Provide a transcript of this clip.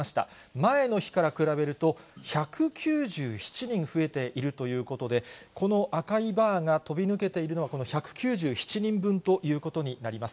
前の日から比べると、１９７人増えているということで、この赤いバーが飛び抜けているのが、この１９７人分ということになります。